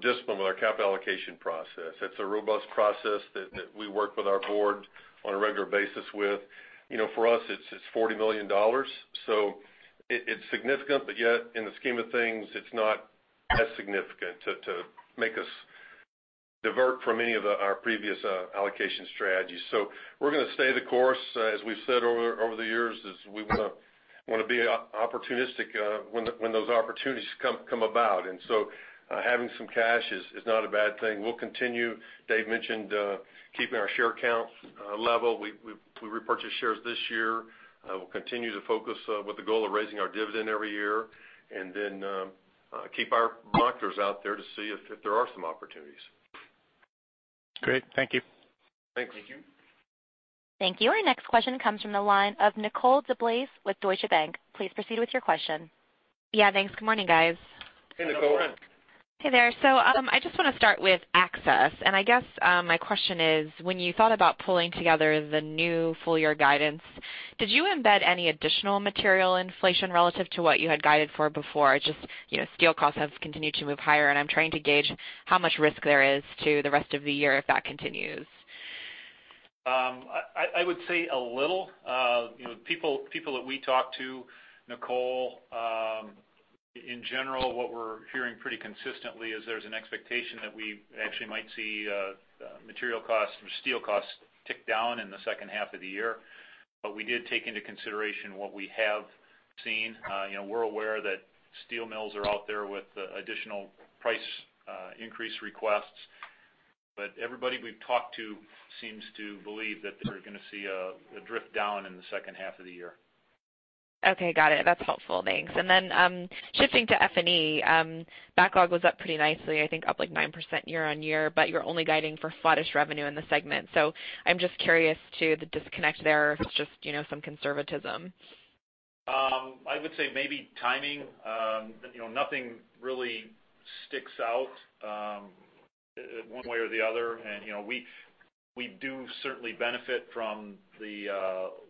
disciplined with our capital allocation process. It's a robust process that we work with our board on a regular basis with. For us, it's $40 million. So it's significant, but yet in the scheme of things, it's not as significant to make us divert from any of our previous allocation strategies. So we're going to stay the course. As we've said over the years, we want to be opportunistic when those opportunities come about. And so having some cash is not a bad thing. We'll continue. Dave mentioned keeping our share count level. We repurchased shares this year. We'll continue to focus with the goal of raising our dividend every year and then keep our monitors out there to see if there are some opportunities. Great. Thank you. Thanks. Thank you. Thank you. Our next question comes from the line of Nicole DeBlase with Deutsche Bank. Please proceed with your question. Yeah. Thanks. Good morning, guys. Hey, Nicole. Hey, there. I just want to start with access. I guess my question is, when you thought about pulling together the new full-year guidance, did you embed any additional material inflation relative to what you had guided for before? Just steel costs have continued to move higher, and I'm trying to gauge how much risk there is to the rest of the year if that continues. I would say a little. People that we talk to, Nicole, in general, what we're hearing pretty consistently is there's an expectation that we actually might see material costs or steel costs tick down in the second half of the year. But we did take into consideration what we have seen. We're aware that steel mills are out there with additional price increase requests, but everybody we've talked to seems to believe that they're going to see a drift down in the second half of the year. Okay. Got it. That's helpful. Thanks. And then shifting to F&E, backlog was up pretty nicely. I think up like 9% year-on-year, but you're only guiding for flattish revenue in the segment. So I'm just curious to the disconnect there, if it's just some conservatism. I would say maybe timing. Nothing really sticks out one way or the other. And we do certainly benefit from the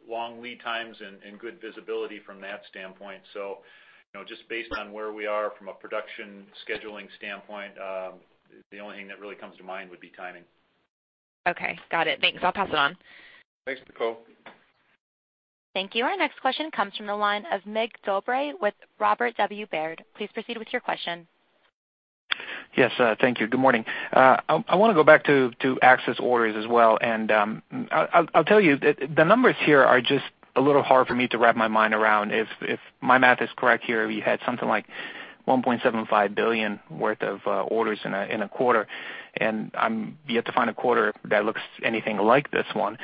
long lead times and good visibility from that standpoint. So just based on where we are from a production scheduling standpoint, the only thing that really comes to mind would be timing. Okay. Got it. Thanks. I'll pass it on. Thanks, Nicole. Thank you. Our next question comes from the line of Mig Dobre with Robert W. Baird. Please proceed with your question. Yes. Thank you. Good morning. I want to go back to access orders as well. And I'll tell you, the numbers here are just a little hard for me to wrap my mind around. If my math is correct here, we had something like $1.75 billion worth of orders in a quarter, and you have to find a quarter that looks anything like this one.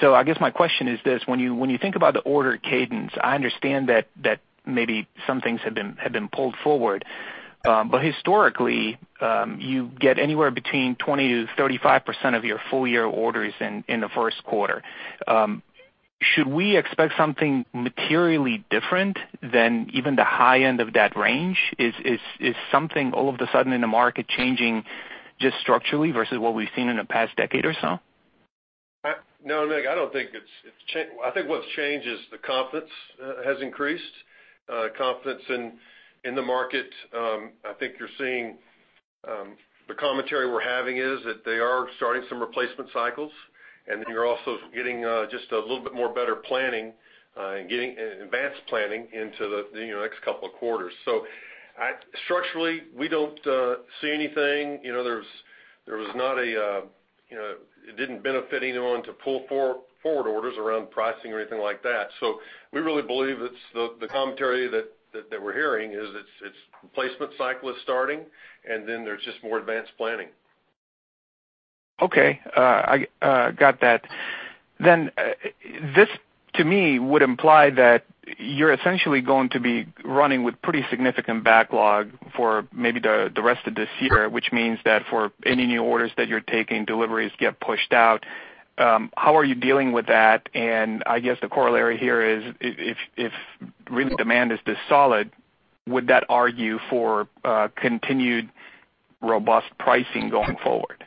So I guess my question is this: when you think about the order cadence, I understand that maybe some things have been pulled forward, but historically, you get anywhere between 20%-35% of your full-year orders in the first quarter. Should we expect something materially different than even the high end of that range? Is something all of a sudden in the market changing just structurally versus what we've seen in the past decade or so? No, Meg, I don't think it's—I think what's changed is the confidence has increased. Confidence in the market. I think you're seeing the commentary we're having is that they are starting some replacement cycles, and then you're also getting just a little bit more better planning and advanced planning into the next couple of quarters. So structurally, we don't see anything. There was not a—it didn't benefit anyone to pull forward orders around pricing or anything like that. So we really believe it's the commentary that we're hearing is it's replacement cycles starting, and then there's just more advanced planning. Okay. Got that. Then this, to me, would imply that you're essentially going to be running with pretty significant backlog for maybe the rest of this year, which means that for any new orders that you're taking, deliveries get pushed out. How are you dealing with that? And I guess the corollary here is if really demand is this solid, would that argue for continued robust pricing going forward?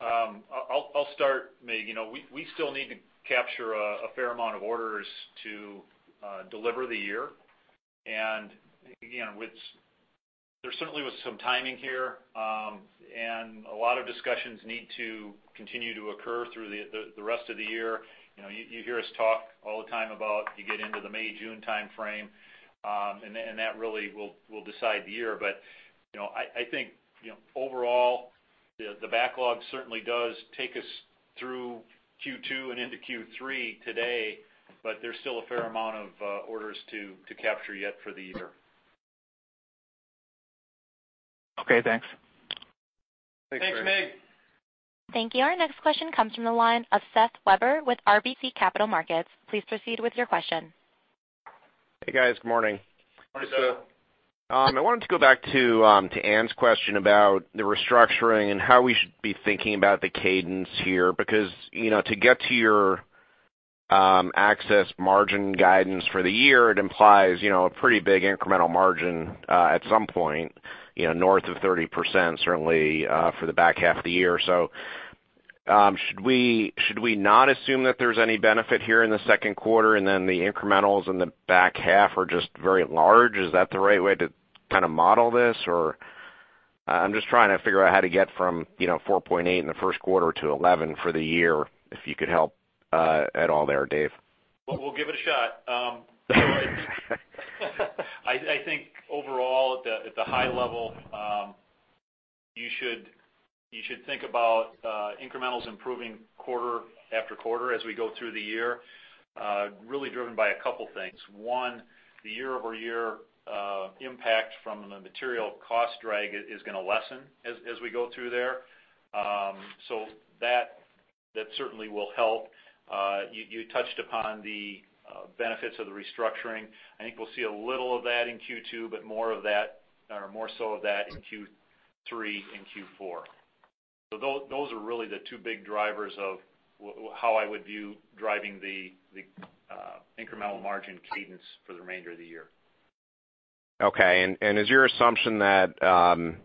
I'll start, Meg. We still need to capture a fair amount of orders to deliver the year. There certainly was some timing here, and a lot of discussions need to continue to occur through the rest of the year. You hear us talk all the time about you get into the May, June timeframe, and that really will decide the year. I think overall, the backlog certainly does take us through Q2 and into Q3 today, but there's still a fair amount of orders to capture yet for the year. Okay. Thanks. Thanks, Meg. Thank you. Our next question comes from the line of Seth Weber with RBC Capital Markets. Please proceed with your question. Hey, guys. Good morning. Morning, Seth. I wanted to go back to Anne's question about the restructuring and how we should be thinking about the cadence here because to get to your access margin guidance for the year, it implies a pretty big incremental margin at some point, north of 30%, certainly for the back half of the year. So should we not assume that there's any benefit here in the second quarter and then the incrementals in the back half are just very large? Is that the right way to kind of model this? Or I'm just trying to figure out how to get from 4.8 in the first quarter to 11 for the year, if you could help at all there, Dave. Well, we'll give it a shot. I think overall, at the high level, you should think about incrementals improving quarter after quarter as we go through the year, really driven by a couple of things. One, the year-over-year impact from the material cost drag is going to lessen as we go through there. So that certainly will help. You touched upon the benefits of the restructuring. I think we'll see a little of that in Q2, but more of that or more so of that in Q3 and Q4. So those are really the two big drivers of how I would view driving the incremental margin cadence for the remainder of the year. Okay. Is your assumption that the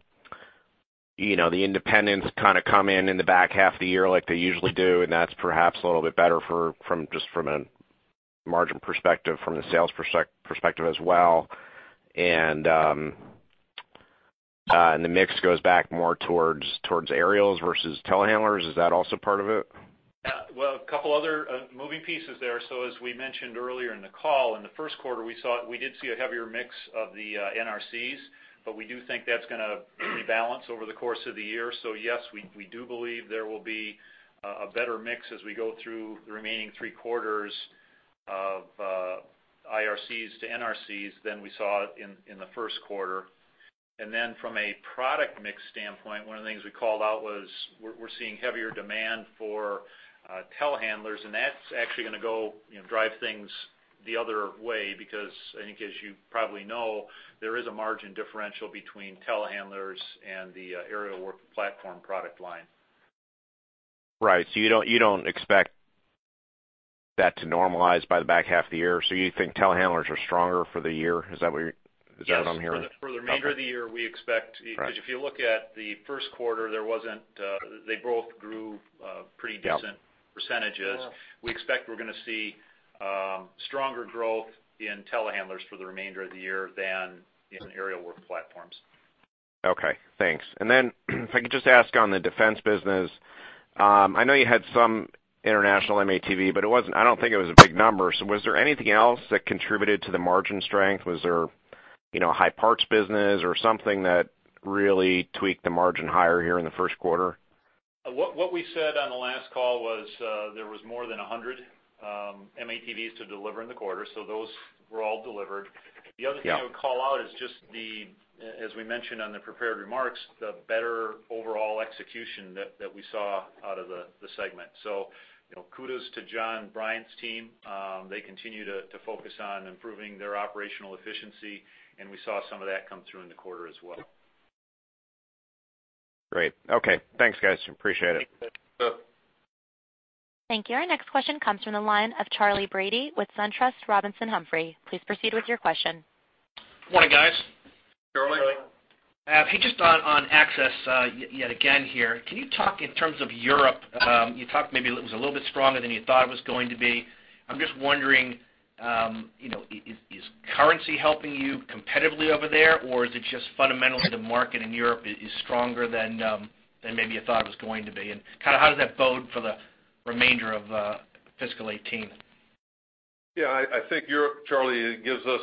independents kind of come in in the back half of the year like they usually do, and that's perhaps a little bit better just from a margin perspective, from the sales perspective as well? The mix goes back more towards aerials versus telehandlers. Is that also part of it? Yeah. Well, a couple of other moving pieces there. So as we mentioned earlier in the call, in the first quarter, we did see a heavier mix of the NRCs, but we do think that's going to rebalance over the course of the year. So yes, we do believe there will be a better mix as we go through the remaining three quarters of IRCs to NRCs than we saw in the first quarter. And then from a product mix standpoint, one of the things we called out was we're seeing heavier demand for telehandlers, and that's actually going to go drive things the other way because I think, as you probably know, there is a margin differential between telehandlers and the aerial work platform product line. Right. So you don't expect that to normalize by the back half of the year. So you think telehandlers are stronger for the year. Is that what you're— is that what I'm hearing? Yes. For the remainder of the year, we expect, because if you look at the first quarter, they both grew pretty decent percentages. We expect we're going to see stronger growth in telehandlers for the remainder of the year than in aerial work platforms. Okay. Thanks. And then if I could just ask on the defense business, I know you had some international M-ATV, but I don't think it was a big number. So was there anything else that contributed to the margin strength? Was there a high parts business or something that really tweaked the margin higher here in the first quarter? What we said on the last call was there was more than 100 FMTVs to deliver in the quarter, so those were all delivered. The other thing I would call out is just the, as we mentioned on the prepared remarks, the better overall execution that we saw out of the segment. So kudos to John Bryant's team. They continue to focus on improving their operational efficiency, and we saw some of that come through in the quarter as well. Great. Okay. Thanks, guys. Appreciate it. Thanks, Seth. Thank you. Our next question comes from the line of Charles Brady with SunTrust Robinson Humphrey. Please proceed with your question. Morning, guys. Charlie. Charlie, hey, just on access yet again here. Can you talk in terms of Europe? You talked maybe it was a little bit stronger than you thought it was going to be. I'm just wondering, is currency helping you competitively over there, or is it just fundamentally the market in Europe is stronger than maybe you thought it was going to be? And kind of how does that bode for the remainder of fiscal 2018? Yeah. I think Europe, Charlie, gives us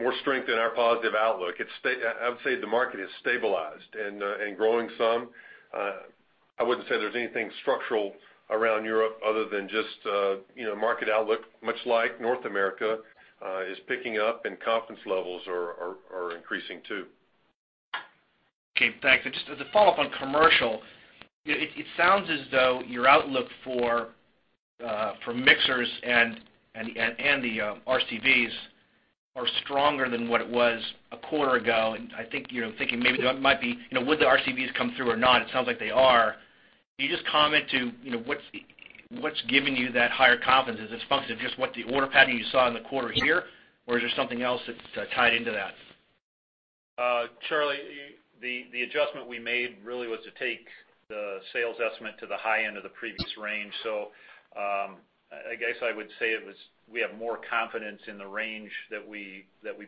more strength in our positive outlook. I would say the market has stabilized and growing some. I wouldn't say there's anything structural around Europe other than just market outlook, much like North America is picking up, and confidence levels are increasing too. Okay. Thanks. And just as a follow-up on commercial, it sounds as though your outlook for mixers and the RCVs are stronger than what it was a quarter ago. And I think thinking maybe there might be-would the RCVs come through or not? It sounds like they are. Can you just comment to what's giving you that higher confidence? Is it function of just what the order pattern you saw in the quarter here, or is there something else that's tied into that? Charlie, the adjustment we made really was to take the sales estimate to the high end of the previous range. So I guess I would say we have more confidence in the range that we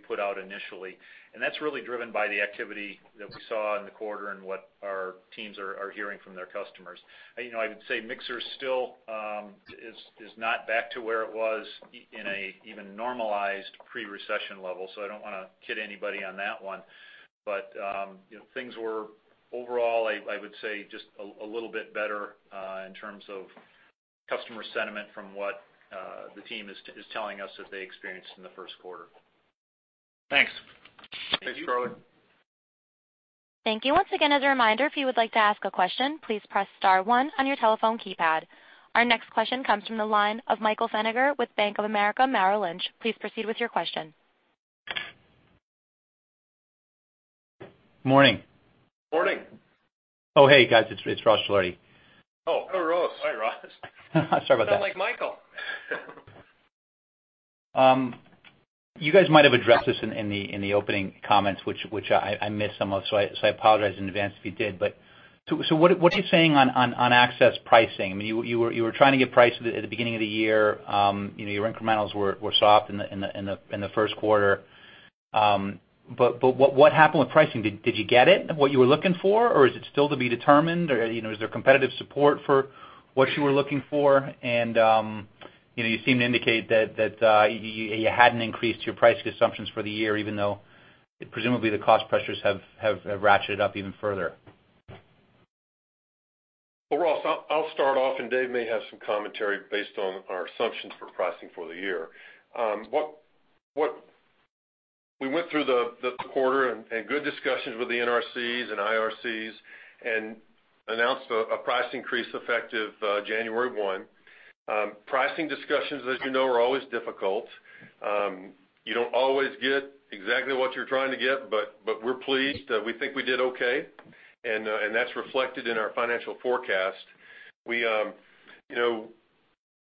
put out initially. And that's really driven by the activity that we saw in the quarter and what our teams are hearing from their customers. I would say mixers still is not back to where it was in an even normalized pre-recession level, so I don't want to kid anybody on that one. But things were overall, I would say, just a little bit better in terms of customer sentiment from what the team is telling us that they experienced in the first quarter. Thanks. Thank you, Charlie. Thank you. Once again, as a reminder, if you would like to ask a question, please press star one on your telephone keypad. Our next question comes from the line of Michael Feniger with Bank of America Merrill Lynch. Please proceed with your question. Morning. Morning. Oh, hey, guys. It's Ross Gilardi. Oh, hello, Ross. Hi, Ross. Sorry about that. Sound like Michael. You guys might have addressed this in the opening comments, which I missed some of, so I apologize in advance if you did. But, so what are you saying on access pricing? I mean, you were trying to get price at the beginning of the year. Your incrementals were soft in the first quarter. But what happened with pricing? Did you get it, what you were looking for, or is it still to be determined? Or is there competitive support for what you were looking for? And you seem to indicate that you hadn't increased your pricing assumptions for the year, even though presumably the cost pressures have ratcheted up even further. Well, Ross, I'll start off, and Dave may have some commentary based on our assumptions for pricing for the year. We went through the quarter and had good discussions with the NRCs and IRCs and announced a price increase effective January 1. Pricing discussions, as you know, are always difficult. You don't always get exactly what you're trying to get, but we're pleased. We think we did okay, and that's reflected in our financial forecast.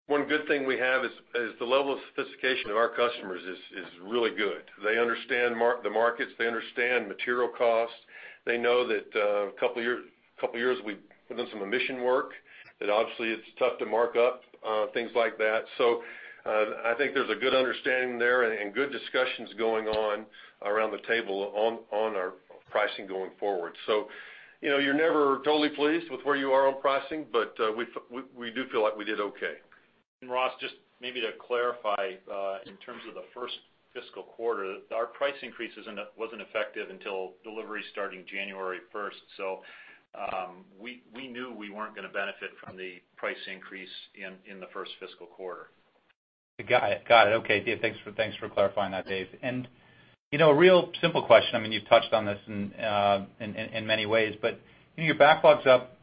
One good thing we have is the level of sophistication of our customers is really good. They understand the markets. They understand material costs. They know that a couple of years we've put in some emission work that obviously it's tough to mark up things like that. So I think there's a good understanding there and good discussions going on around the table on our pricing going forward. So you're never totally pleased with where you are on pricing, but we do feel like we did okay. And Ross, just maybe to clarify in terms of the first fiscal quarter, our price increase wasn't effective until deliveries starting January 1st. So we knew we weren't going to benefit from the price increase in the first fiscal quarter. Got it. Got it. Okay. Thanks for clarifying that, Dave. And a real simple question. I mean, you've touched on this in many ways, but your backlog's up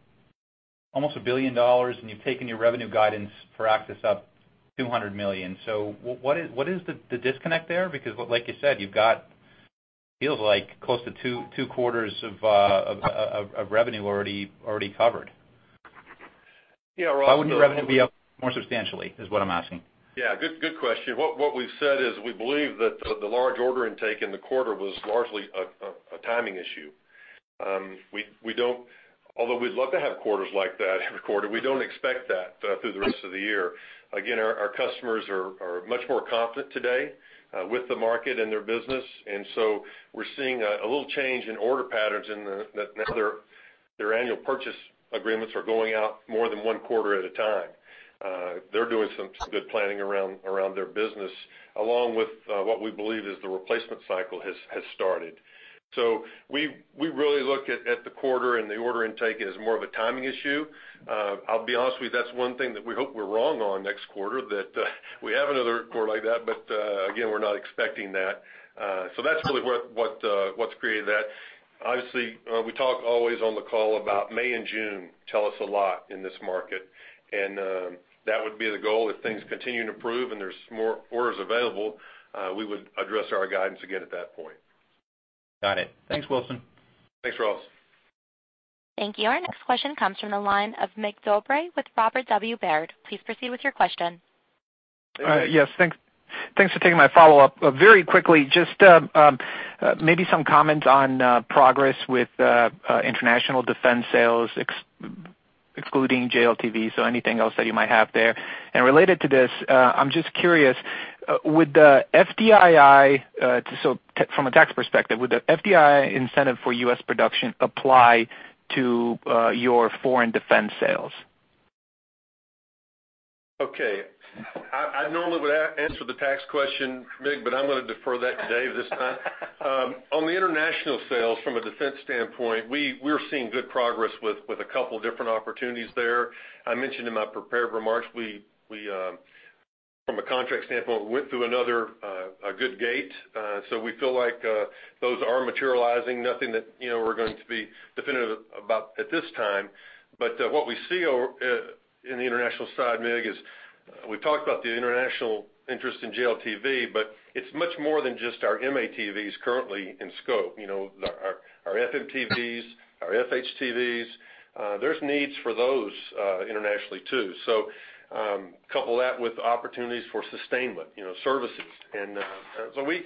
almost $1 billion, and you've taken your revenue guidance for access up $200 million. So what is the disconnect there? Because like you said, you've got, it feels like, close to two quarters of revenue already covered. Yeah, Ross. How would your revenue be up more substantially, is what I'm asking? Yeah. Good question. What we've said is we believe that the large order intake in the quarter was largely a timing issue. Although we'd love to have quarters like that every quarter, we don't expect that through the rest of the year. Again, our customers are much more confident today with the market and their business. And so we're seeing a little change in order patterns, and now their annual purchase agreements are going out more than one quarter at a time. They're doing some good planning around their business, along with what we believe is the replacement cycle has started. So we really look at the quarter and the order intake as more of a timing issue. I'll be honest with you, that's one thing that we hope we're wrong on next quarter, that we have another quarter like that, but again, we're not expecting that. So that's really what's created that. Obviously, we talk always on the call about May and June. Tell us a lot in this market. And that would be the goal. If things continue to improve and there's more orders available, we would address our guidance again at that point. Got it. Thanks, Wilson. Thanks, Ross. Thank you. Our next question comes from the line of Mig Dobre with Robert W. Baird. Please proceed with your question. Yes. Thanks for taking my follow-up. Very quickly, just maybe some comments on progress with international defense sales, excluding JLTV, so anything else that you might have there. And related to this, I'm just curious, would the FDII, so from a tax perspective, would the FDII incentive for US production apply to your foreign defense sales? Okay. I normally would answer the tax question, Mig, but I'm going to defer that to Dave this time. On the international sales, from a defense standpoint, we're seeing good progress with a couple of different opportunities there. I mentioned in my prepared remarks, from a contract standpoint, we went through another good gate. So we feel like those are materializing. Nothing that we're going to be definitive about at this time. But what we see in the international side, Mig, is we've talked about the international interest in JLTV, but it's much more than just our M-ATVs currently in scope. Our FMTVs, our FHTVs, there's needs for those internationally too. So couple that with opportunities for sustainment services. And so we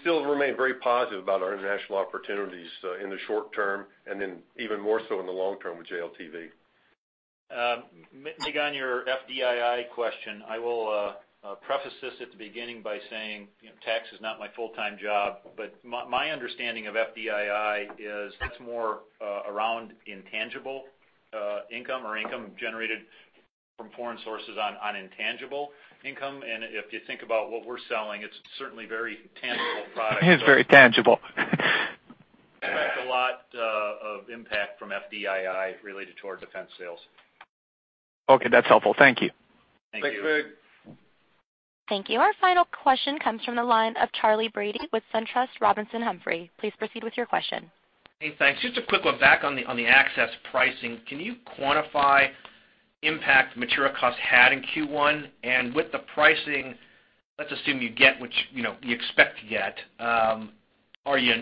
still remain very positive about our international opportunities in the short term and then even more so in the long term with JLTV. Mig, on your FDII question, I will preface this at the beginning by saying tax is not my full-time job, but my understanding of FDII is it's more around intangible income or income generated from foreign sources on intangible income. If you think about what we're selling, it's certainly very tangible products. It is very tangible. It's a lot of impact from FDII related to our defense sales. Okay. That's helpful. Thank you. Thank you. Thanks, Mig. Thank you. Our final question comes from the line of Charlie Brady with SunTrust Robinson Humphrey. Please proceed with your question. Hey, thanks. Just a quick one back on the access pricing. Can you quantify impact material costs had in Q1? And with the pricing, let's assume you get what you expect to get. Are you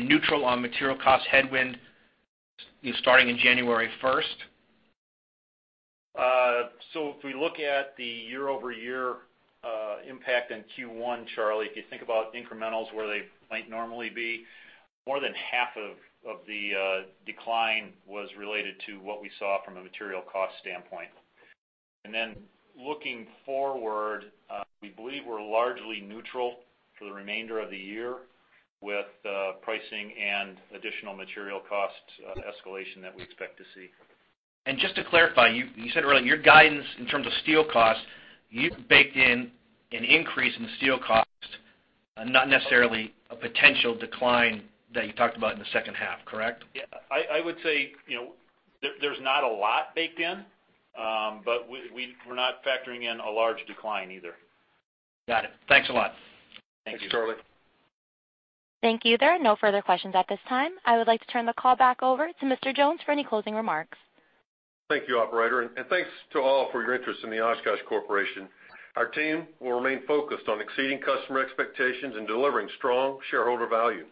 neutral on material cost headwind starting in January 1st? If we look at the year-over-year impact in Q1, Charlie, if you think about incrementals where they might normally be, more than half of the decline was related to what we saw from a material cost standpoint. Looking forward, we believe we're largely neutral for the remainder of the year with pricing and additional material cost escalation that we expect to see. Just to clarify, you said earlier your guidance in terms of steel costs, you've baked in an increase in steel costs, not necessarily a potential decline that you talked about in the second half, correct? Yeah. I would say there's not a lot baked in, but we're not factoring in a large decline either. Got it. Thanks a lot. Thank you. Thanks, Charlie. Thank you. There are no further questions at this time. I would like to turn the call back over to Mr. Jones for any closing remarks. Thank you, operator. Thanks to all for your interest in the Oshkosh Corporation. Our team will remain focused on exceeding customer expectations and delivering strong shareholder value.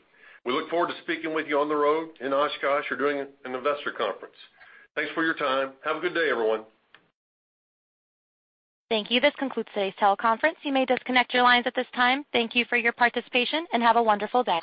We look forward to speaking with you on the road in Oshkosh or during an investor conference. Thanks for your time. Have a good day, everyone. Thank you. This concludes today's teleconference. You may disconnect your lines at this time. Thank you for your participation and have a wonderful day.